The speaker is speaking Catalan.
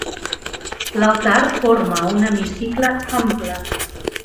L'altar forma un hemicicle ample.